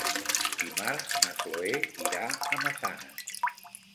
Dimarts na Cloè irà a Massanes.